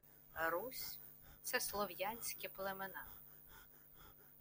Русь – це слов'янські племена